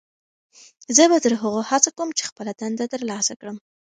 زه به تر هغو هڅه کوم چې خپله دنده ترلاسه کړم.